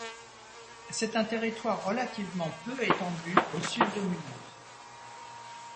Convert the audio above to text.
C'est un territoire relativement peu étendu au sud de Mulhouse.